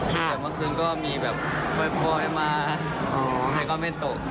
แต่เมื่อคืนก็มีแบบไฟล์มาให้ก็ไม่ตก